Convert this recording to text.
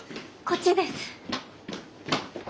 こっちです。